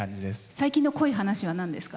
最近の濃い話はなんですか？